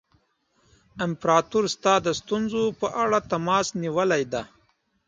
امپراطور ستا د ستونزو په اړه تماس نیولی دی.